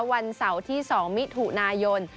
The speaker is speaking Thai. วันเสาร์ที่๒มิถุนายน